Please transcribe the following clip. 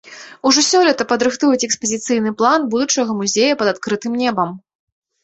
Ужо сёлета падрыхтуюць экспазіцыйны план будучага музея пад адкрытым небам.